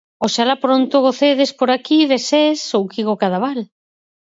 Oxalá pronto gocedes por aquí de Sés ou Quico Cadaval.